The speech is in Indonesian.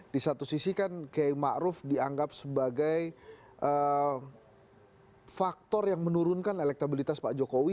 di satu sisi kan kay ma'ruf dianggap sebagai faktor yang menurunkan elektabilitas pak jokowi